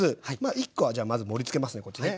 １コはじゃあまず盛りつけますねこっちね。